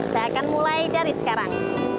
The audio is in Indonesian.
saya akan mulai dari sekarang